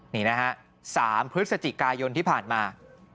นี่นะฮะ๓พฤศจิกายนที่ผ่านมา